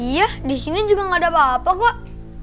iya di sini juga gak ada apa apa kok